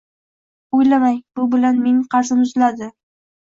O‘ylamang, bu bilan mening qarzim uziladi